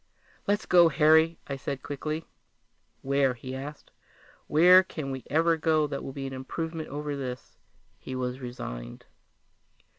"Let's go, Harry," I said quickly. "Where?" he asked. "Where can we ever go that will be an improvement over this?" He was resigned.